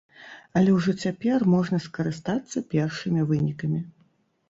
Але ўжо цяпер можна скарыстацца першымі вынікамі.